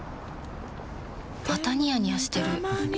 またニヤニヤしてるふふ。